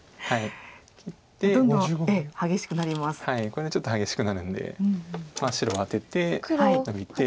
これはちょっと激しくなるんで白はアテてノビて。